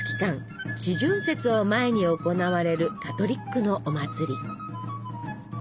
「四旬節」を前に行われるカトリックのお祭り。